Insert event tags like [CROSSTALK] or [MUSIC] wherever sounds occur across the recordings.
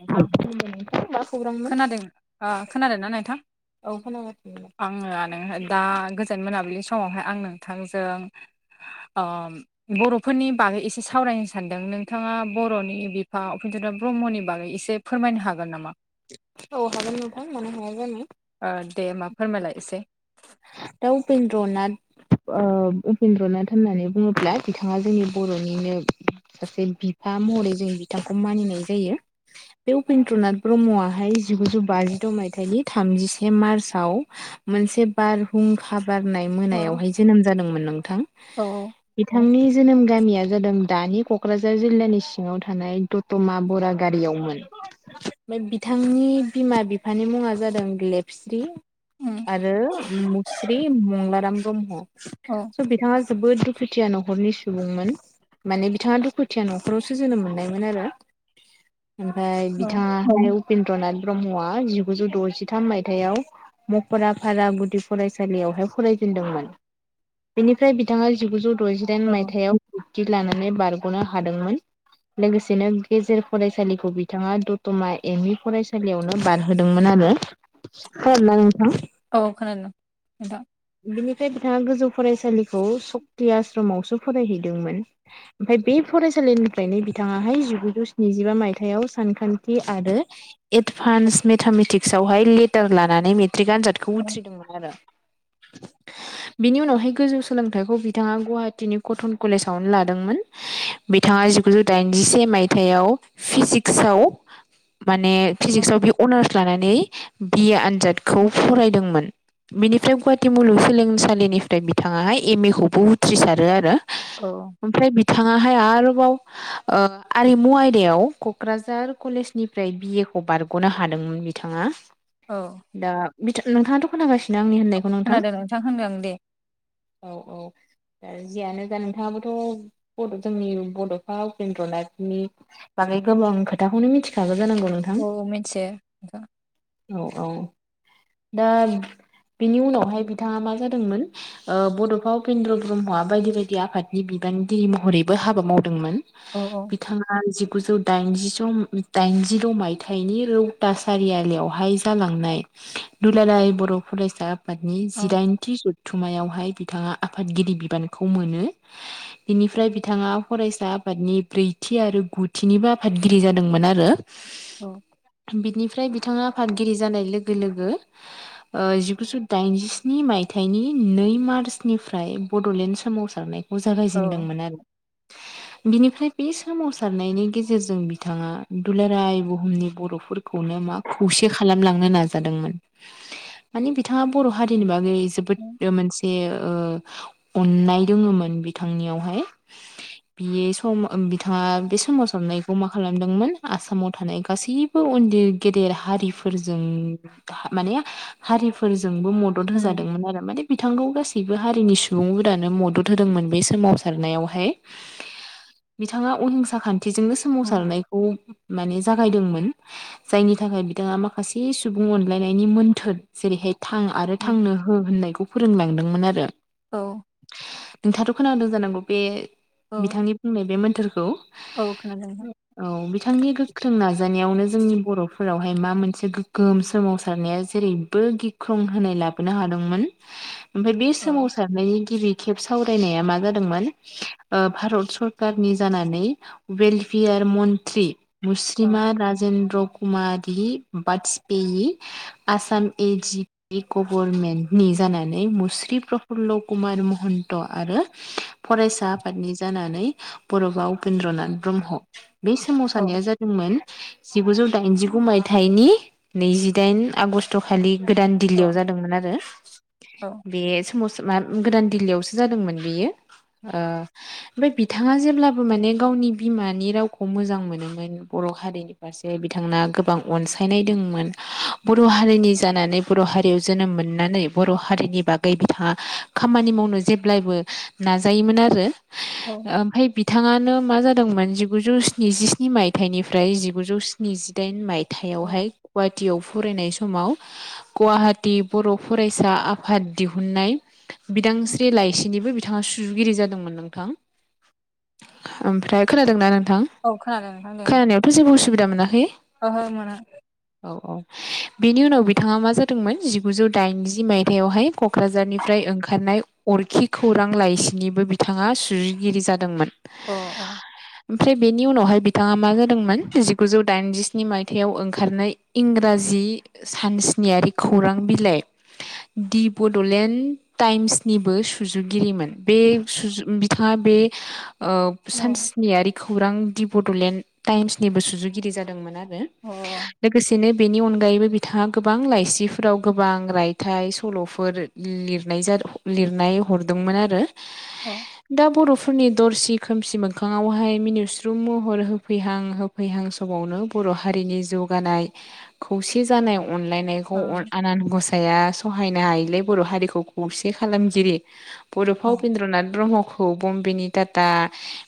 नोंथां खुलुमबाय नोंथां मा खौरांमोन खोनादों ओ खोनादोंना नोंथां? औ खोनागासिनो आङो दा गोजोन मोनाबिलि समावहाय आं नोंथांजों। ओ बर'फोरनि बागै एसे सावरायनो सानदों नोंथाङा बर'नि बिफा उपेन्द्र। ब्रह्मनि बागै एसे। फोरमायनो हागोन नामा औ हागोन नोंथां मानो हाया जानो। ओ दे होमबा फोरमायलायसै। दा उपेन्द्रनाथ। ओ उपेन्द्र नाथ होननानै बुङोब्ला बिथाङा जोंनि बर'निनो सासे बिफा। महरै जों बिथांखौ मानिनाय जायो बे उपेन्द्रनाथ ब्रह्मआहाय जिगुजौ बाजिद' मायथाइनि थामजसे मार्च आव मोनसे बारहुंखा बारनाय अ मोनायावहाय जोनोम जादोंमोन नोंथां। औ बिथांनि जोनोम गामिया जादों दानि क'क्राझार जिल्लानि सिङाव थानाय दतमा बरागारियावमोन। ओमफ्राय बिथांनि बिमा बिफानि मुङा जादों ल्लेबस्रि। उम आरो मुस्रि मंलाराम ब्रह्म औ स' बिथाङा। जोबोद दुखुथिया न'खरनि सुबुंमोन। माने बिथाङा दुखुथिया न'खरावसो जोनोम मोन्नायमोन आरो। ओमफ्राय औ बिथाङा उपेन्द्रनाथ ब्रह्मआ जिगुजौ द'जिथाम मायथाइाव मक'राफारा गुदि फरायसालियावहाय फरायजेनदोंमोन बेनिफ्राय बिथाङा जिगुजौ दजिदाइन मायथायाव खथि लानानै बारग'नो हादोंमोन। लोगोसेनो गेजेर फरायसालिखौ बिथाङा दतमा एम इ फरायसालियावनो बारहोदोंमोन आरो। [UNINTELLIGIBLE] औ खोनादों औ। बिनिफ्राय बिथाङा गोजौ फरायसालिखौ सक्ति आश्रमावसो फरायहैदोंमोन ओमफ्राय बे फरायसालिनिफ्रायनो बिथाङाहाय जिगुजौ स्निजिबा मायथाइयाव सानखान्थि आरो एडभान्स एदभानस मेथामेटिक्सआवहाय लेटार लानानै मेट्रिक आनजादखौ उथ्रिदोंमोन। [UNINTELLIGIBLE] बिनि उनावहाय गोजौ सोलोंथाइखौ बिथाङा गुवाहाटीनि कटन कलेजावनो लादोंमोन। बिथाङा जिगुजौ दाइनजिसे मायथाइाव फिजिक्सआव माने औ फिजिक्सआव बे अनार्स लानानै बिए आनजादखौ फरायदोंमोन। बिनिफ्राय गुवाहाटि मुलुगसोलोंसालिनिफ्राय बिथाङा एम ए खौबो उथ्रिसारो आरो। ओमफ्राय बिथाङा। ओमफाय आरोबाव ओ आरिमु आयदायाव क'क्राझार कलेजनिफ्राय बिए ए बार ग'नो हादोंमोन बिथाङा औ दा नोंथाङाथ खोनागासिनो। नो आंनि होननायखौ नोंथां खोनादों होनदों आं दे औ औ। ओ जियानो जा नोंथाङाबोथ' बड जोंनि बड'फा उपेन्द्र नाथनि बा गोबां खोथाखौनो मिथिखागोन। औ मिथियो। औ औ दा बेनि उनावहाय बिथाङा मा जादोंमोन ओ बड'फा उपेन्द्र ब्रह्मआ बायदि बायदि आफादनि बिबा न महरैबो हाबा मावदोंमोन औ औ बिथाङा जिगुजौ दाइन दाइनजि' दाइनजिद' मायथाइनि रौता सारिआलियाव हाय जालांनाय दुलाराय बर' फरायसा आफादनि अ जिदाइनथि जथुमायावहाय बिथाङा आफादगिरि बिबानखौ मोनो बेनिफ्राय बिथाङा फरायसा आफादनि ब्रैथि थि आरो गुथिनिबो आफादगिरि जादोंमोन आरो। औ बिनिफ्राय बिथाङा आफादगिरि जानाय लोगो लोगो। ओ जिगुजौ दाइनजिस्नि मायथाइनि नै मार्चनिफ्राय बड'लेण्ड सोमावसारनाय खौ औ जागायजेनदोंमोन आरो। [INAUDIBLE] बिनिफ्राय बे सोमावसारनायनि गेजेरजों बिथाङा दुलाराय बुहुमनि बर'फोरखौ मा खौसे खालामलांनो नाजादोंमोन। मानि बिथाङा बर' हारिनि बागै उम जोबोद मोनसे ओ अननाय दोङोमोन बिथांनियावहाय। बियो सम बिथाङा बे सोमावसारनायखौ मा खालामदोंमोन आसामाव थानाय गासैबो उन्दै गिदेर हारिफोरजों माने हारिफोरजोंबो मदद होजादोंमोन आरो माने बिथांखौ गासैबो हारिनि सुबुंफोरानो मदद होदोंमोन बे सोमावसारनायावहाय। बिथाङा अहिंसा खान्थिजोंनो उम सोमावसारनायखौ माने जागायदोंमोन जायनि थाखाय बिथाङा माखासे सुबुं अनलायनायनि मोन्थोर जेरैहाय थां आरो उम थांनो हो होननायखौ फोरोंलांदोंमोन आरो। औ नोंथाङाथ' खोनादों जानांगौ बे औ बिथांनि बुंनाय बे मोन्थोरखौ औ खोनादों नोंथां औ बिथांनि गोख्रों नाजानाय नायावनो जोंनि बर'फोरावहाय मा मोनसे गोगोम सोमावसारनाया जेरै बो गिख्रंहोनाय लाबोनो हादोंमोन ओमफ्राय बे सोमावसारनायनि गिबि खेब सावरायनाया मा जादोंमोन ओ भारत सरखारनि जानानै वेलपियार आरो मन्त्रि औ मुस्रिमा राजेन्द्र कुमारि बाजपेयि आसाम ए जि पि गभर्मेन्टनि जानानै मुस्रि प्रफुल्ल कुमार महन्त आरो फरायसा आफादनि जानानै बडफा उपेन्द्रनाथ ब्रह्म। बे औ सोमावसारनाया जादोंमोन जिगुजौ दाइनजिगु मायथाइनि नैजिदाइन आगष्ट खालि गोदान औ दिल्लीयाव जादोंमोन आरो औ बे सोमावसार, गोदान दिल्लीयावसो जादोंमोन बेयो। ओ ओमफाय बिथाङा जेब्लाबो माने गावनि बिमानि रावखौ मोजां मोनोमोन बर' बर' हारिनि फारसे बिथांना गोबां अनसायनाय दोंमोन बर' हारिनि जानानै बर' हारियाव जोनोम मोननानै बर' हारिनि बागै बिथाङा खामानि मावनो जेब्लायबो नाजायोमोन आरो औ ओमफाय बि थाङानो मा जादोंमोन जिगुजौ स्निजिस्नि मायथाइनिफ्राय जिगुजौ स्निजिदाइन माय औ थाइआवहाय गुवाहाटियाव फरायनाय समाव [INAUDIBLE] गुवाहाटि बर' फरायसा आफाद दिहुननाय बिदांस्रि लाइसिनिबो बिथाङा सु सुजुगिरि जादोंमोन नोंथां ओमफ्राय खोनादोंना नों नथां औ खोनादों नोंथां दे खोनानायावथ' जेबो असुबिदा मोनाखै? ओहो मोना औ औ बिनि उनाव बि बिथाङा मा जादोंमोन जिगुजौ दाइनजि मायथाइयावहाय क'क्राझारनिफ्राय ओंखारनाय अरखि खौ खौरां लाइसिनिबो बिथाङा सुजुगिरि जादोंमोन। अ अ ओमफ्राय बेनि उनावहाय बिथाङा मा जादोंमोन जिगुजौ दाइनजिस्नि मायथाइयाव ओंखारनाय इंराजि जि सानस नियारि खौरां बिलाइ दि बड'लेण्ड टाइम्सनिबो सुजुगिरिमो मोन बे सुजु बिथाङा बे ओ सानस्नियारि खौरां दि बड'लेण्ड टाइम्सनिबो सुजुगिरि जादोंमोन आरो। रो अ लोगोसेनो बेनि अनगायैबो बिथाङा गोबां लाइसिफोराव गोबां रायथाइ सल'फोर लिरनाय जादो लिरनाय हरदों मोन आरो अ दा बर'फो रनि दरसि खोमसि मोखाङावहाय मिनुस्लु महर होफैहां होफैहां समावनो बर' बर' हारिनि जौगानाय खौसे जानाय अनलायनायखौ अ आनान गस साया सहायनो हायिलाय बर' हारिखौ खौसे खालामजिरि अ बड'फा उपेन्द्रनाथ ब्रह्मखौ खौ बम्बेनि टाटा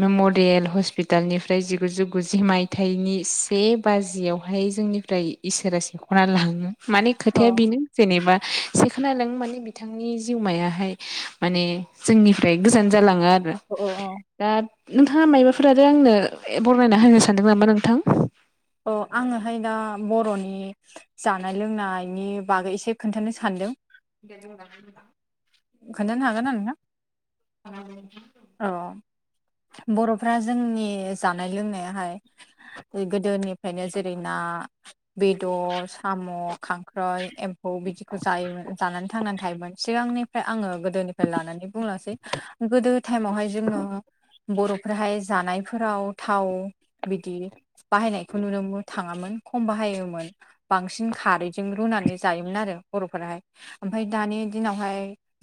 मेमरियेल हस्पिटालनिफ्राय जिगुजौ गुजि मायथाइनि से बाजियावहाय जोंनिफ्राय इसोरा से ख'ना लाङो माने खोथाया बेनो जेनेबा एसे खोनादों माने बिथांनि जिउमायाहाय माने जोंनिफ्राय गोजान जालाङा अ अ दा नोंथाङा मायबाफोर आरो आंनो बरमायना होनो सानदों नामा नोंथां? औ आङोहाय दा बर'नि जानाय लोंनायनि बागै एसे खोन्थानो सानदों । खोन्थानो हागो ना नोंथां? औ [UNINTELLIGIBLE] बर'फ्रा जोंनि जानाय लोंनायाहाय गोदोनि जेरै ना, बेदर, साम', खांख्राइ एम्फौ बिदिखौ जायोमोन जानानै थांनानै थायोमोन सिगांनिफ्राय आङो गोदोनिफ्राय लानानै बुंलासै गोदो टाइमावहाय जोंनाव बर'फोराहाय जानायफोराव थाव बिदि बाहायनाय बेखौ नुनोमो थाङामोन खम बाहायोमोन बांसिन खारैजों रुनानै जायोमोन आरो बर'फोरा । ओमफाय - ओमफ्राय दानि दिनावहाय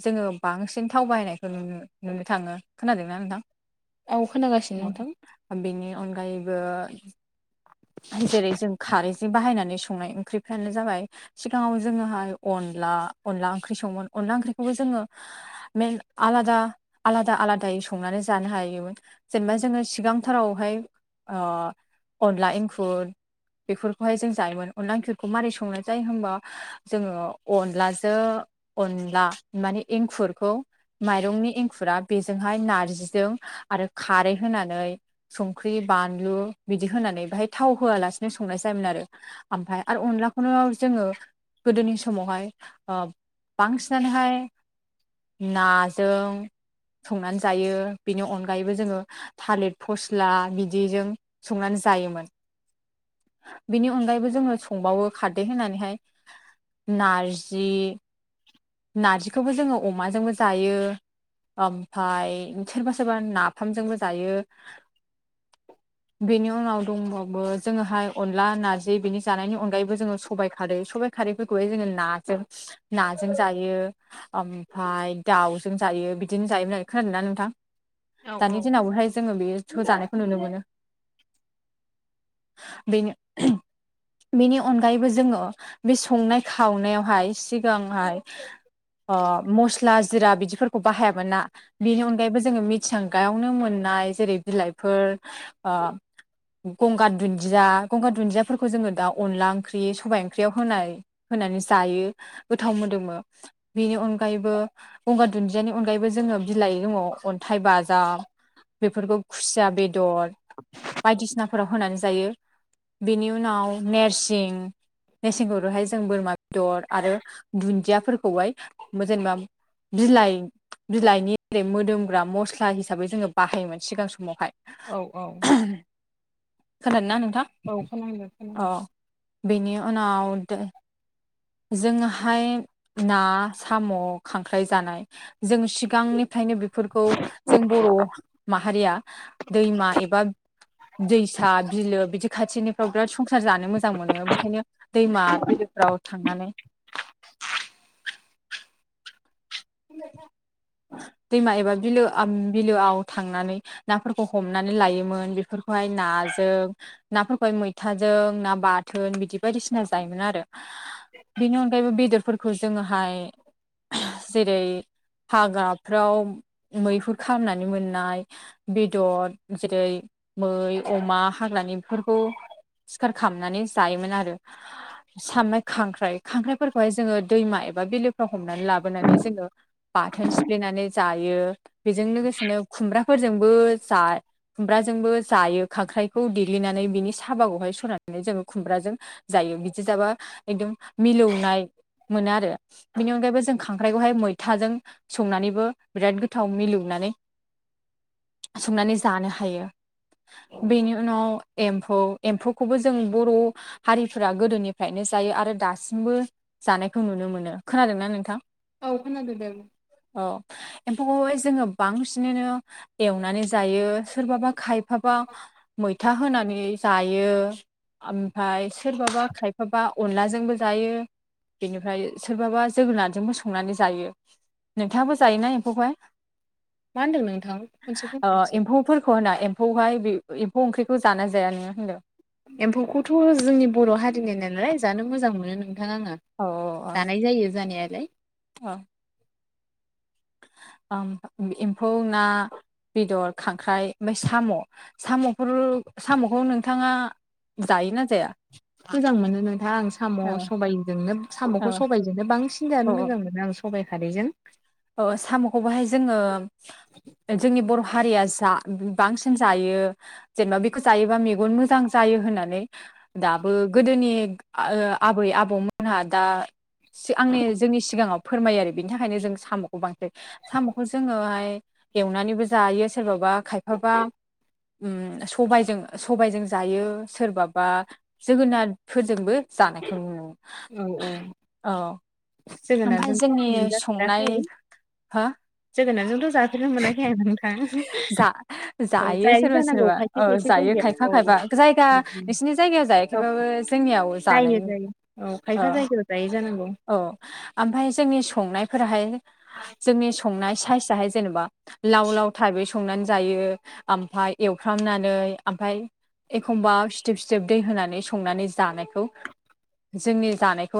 जोङो बांसिन थाव बायनायखौ नुनो नुनो थाङो । खोनादोंना नोंथां? औ खोनागासिनो नोंथां । बेनि अनगायैबो जेरै जों खारैजों बाहायनानै संनाय ओं ओंख्रिफ्रानो जाबाय सिगाङाव जोङोहाय अनला अनला ओंख्रि संङोमोन अनला ओंख्रिखौबो जोङो मे आलादा आलादा आलादायै संनानै जानो हायोमोन जेनेबा जोङो सिगांथारावहाय ओ अनला इंखुर बेफोरखौहाय जों जायोमोन अनला ओंख्रिखौ माबोरै संनाय जायो होमबा जोङो अनलाजो अनला माने एंखुरखौ माइरंनि एंखुरा बेजोंहाय नारजिजों आरो खारै होनानै संख्रि बानलु बिदि होनानै बाहाय थाव होआलासिनो संनाय जायोमोन आरो ओमफ्राय आरो अनलाखौनो जोङो गोदोनि समावहाय ओ बांसिनानोहाय नाजों संनानै जायो बिनि अनगायैबो जोङो थालिर फस्ला बिदिजों संनानै जोयोमोन बिनि अनगायैबो जोङो संबावो खारदै होनानैहाय नारजि नारजिखौबो जोङो अमाजोंबो जायो ओमफाय सोरबा सोरबा नाफामजोंबो जायो बेनि उनाव दंबावो बो जोङोहाय अनला नारजि बिनि जानायनि अनगायैबो जोङो सबाइ खारै सबायाइ खारैफोरखौहाय जोङो नार जों नाजों जायो ओमफाय दाउजों जायो बिदिनो जायोमोन आरो खोनादों नोंथां औ औ दानि दिनावबोहाय जोङो बे ज' जानायखौ नुनो मोनो बेनो बेनि अनगायैबो जोङो बे संनाय खावनायावहाय सिगांहाय ओ मस्ला जिरा बिदिफोरखौ बाहायामोन ना बेनि अनगायैबो जोङो मिथिंगायावनो मोन नाय जेरै बिलाइफोर ओ गंगार दुन्दिया गंगार दुन्दियाफोरखौ जोङो दा अनला ओंख्रि सबाय ओंख्रियाव होनाय होनानै जायो गोथाव मोदोमो बेनि अनगायैबो गंगार दुन्दियानि अनगायैबो जोङो बिलाइ दङ अन्थाइ बा जा बेफोरखौ खुसिया बेदर बायदिसिनाफोराव होनानै जायो बेनि उनाव नोरसिं मेसेंवहाय जों बोरमा बेदर आरो दुन्दियाफोरखौहाय जेनेबा बिलाय बिलाइनि जरै मोदोमग्रा मस्ला हिसाबै जोङो बाहायोमोन सिगां समावहाय औ औ खोनादों ना नोंथां औ खोनादों अ खोनादों बेनि उनाव दो जोंहाय ना साम' खांख्राइ जानाय जों सिगांनिफ्रायनो बे फोरखौ जों बर' माहारिया दैमा एबा दैसा बिलो बिदि खाथिनिफ्राव बिराद संसार जानो मोजां मोनो बेखायनो दैमा बिलोफ्राव थांनानै [UNINTELLIGIBLE] [INAUDIBLE] दैमा एबा बिलो बिलोआव थांनानै नाफोरखौ हमनानै लायोमोन बेफोरखौहाय ना जों नाफोरखौहाय मैथाजों ना बाथोन बिदि बायदिसिना जायोमोन आरो बेनि अनगायैबो बेदरफोरखौ जोङोहाय जेरै हाग्राफ्राव मैहुर खालामनानै मोननाय बेदर जेरै मै अमा हा होननानै बेफोरखौ सिखार खालामनानै जायोमोन आरो सामनाय खांख्राइ खांख्राइफोरखौहाय जोङो दैमा एबा बिलोफ्राव हनानै लाबोनानै जोङो बाथोन सिफ्लेनानै जायो बेजों लोगोसेनो खुमब्राफोरजोंबो जा खुमब्राजोंबो जायो खांख्राइखौ देग्लिनानै बिनि साहाबागोवहाय सनानै जोंङो खुमब्राजों जायो यो बिदि एखदम जाबा मिलौनाय मोनो आरो बिनि अनगायैबो खांख्राइखौहाय मैथाजों संनानैबो बिराद गोथाव मिलौनानै संनानै जानो हायो बेनि उनाव एम्फौ एम्फौखौबो जों बर' हारिफ्रा गोदोनि फ्रनो जायो आरो दासिमबो जानायखौ नुनो मोनो खोनादोंना नोंथां औग खोनादों दे बुं औ एम्फौखौहाय जोङो बांसिनानो एवनानै जायो सोरबाबा खाय फाबा मैथा होनानै जायो जायो ओमफाय सोरबाबा खायफाबा अनलाजोंबो जायो बिनिफ्राय सोरबाबा जोगोनारजों संनानै जायो नोंथाङाबो जायोना एम्फौखौहाय होनदों नोंथां खनसे ओ बुंफिनसै एम्फौफोरखौ होना एम्फौहाय बे एम्फौ ओंख्रिखौ जानाय जाया नोङो होनदो एम्फौखौथ' जोंनि बर' हारिनि नालाय जानो मोजां मोनो नोंथां आङो औ औ जानाय जायो जानायालाय औ ओम एम्फौ ना बेदर खांख्राइ ओमफ्राय साम' साम'फोर साम'खौ नोंथाङा जायोना जाया मोजां मोनो नोंथां आं साम' ओ सबायजोंनो ओ साम'खौ सबायजोंनो बांसिन जानो मोजां मोनो आं सबाय खारैजों अ साम'खौ बहाय जोङो जोंनि बर' हारिया जा बांसिन जायो जेनेबा बेखौ जायोबा मेगन मोजां जायो होननानै दा बो गोदोनि अ ओ आबै आबौमोनहा दा आंनि जोंनि सिगाङाव फोरमायो आरो बिनि थाखायनो जों साम'खौ बांसिन जायो साम'खौ जोङोहाय एवनानैबो जायो सोरबाबा खायफाबा उम सबायजों सबायजों जायो सोरबाबा जोगोनारफोरजोंबो जानायखौ नुनो औ औ औ ओमफ्राय जोगोनारजोंथ' आं जोंनि संनाय मोनजाफेराखै हो जोगोनारजोंथ' जाफेरनो मोनाखै आं नोंथां जा औ जायो सोरबा जानांगौ सोरबा खायसे औ खायसेफोराव जायो खायफा खायफा जायगा नोंसोरनि जायगायाव औ जायाखैबाबो जोंनियाव जानाय जायो जायो औ खायफा जायगायाव जायो जानांगौ औ ओमफ्राय जोंनि संनायफोराहाय जोंनि संनाय साइसाहाय जेनेबा लाव लाव थाइबै संनानै जायो ओमफाय एवफ्रामनानै ओमफाय एखमबा सिथेब सिथेब दै होनानै संनानै जानायखौ जोंनि जानायखौ